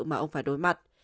mà ông phải đối mặt